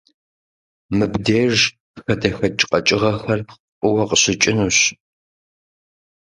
Мыбдеж хадэхэкӀ къэкӀыгъэхэр фӀыуэ къыщыкӀынущ.